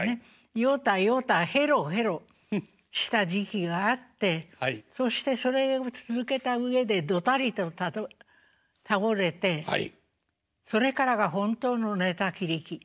ヨタヨタヘロヘロした時期があってそしてそれを続けた上でどたりと倒れてそれからが本当の寝たきり期。